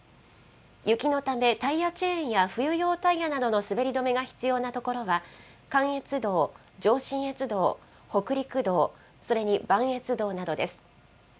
雪のため、タイヤチェーンや、冬用タイヤなどの滑り止めが必要な所は、関越道、上信越道、北陸道、それに磐越道などです。